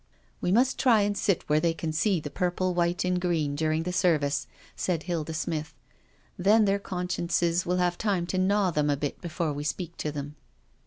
We must try and sit where they can see the purple, white, and green, during the service," said Hilda Smith, •• then their consciences will have time to gnaw them a bit before we speak to them."